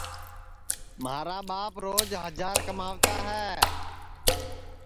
مھارا ٻاپ روج ہجار کُموتا ہے